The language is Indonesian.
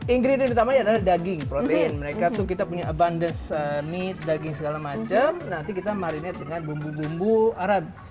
ingredit utamanya adalah daging protein mereka tuh kita punya abundance meet daging segala macam nanti kita marinet dengan bumbu bumbu arab